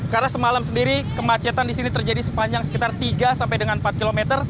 karena semalam sendiri kemacetan di sini terjadi sepanjang sekitar tiga sampai dengan empat km